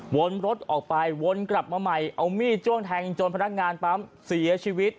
วนรถออกไปวนกลับมาใหม่เอามีดจ้วงแทงจนพนักงานปั๊มเสียชีวิต